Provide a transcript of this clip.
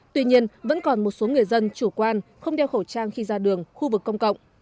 tuy nhiên vẫn còn một số người dân chủ quan không đeo khẩu trang khi ra đường khu vực công cộng